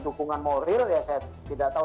dukungan moral ya saya tidak tahu